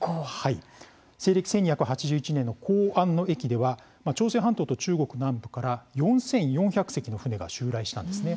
西暦１２８１年の弘安の役では朝鮮半島と中国南部から４，４００隻の船が襲来したんですね。